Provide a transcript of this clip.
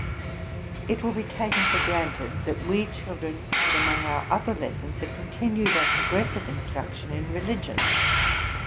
It will be taken for granted, that we children had among our other lessons a continued and progressive instruction in religion.